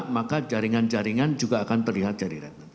maka jaringan jaringan juga akan terlihat dari red